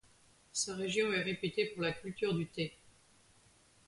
Sa région est réputée pour la culture du thé.